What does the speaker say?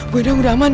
bu endang udah aman